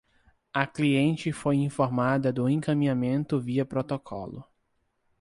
A cliente foi informada do encaminhamento via protocolo